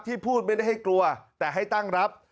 พูดไม่ได้ให้กลัวแต่ให้ตั้งรับ